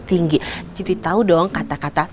tinggi jadi tahu dong kata kata